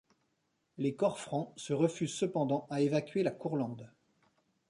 Les corps francs se refusent cependant à évacuer la Courlande.